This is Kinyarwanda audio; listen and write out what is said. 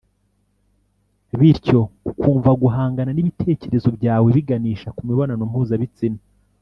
bityo ukumva guhangana n’ ibitekerezo byawe biganisha ku mibonano mpuzabitsina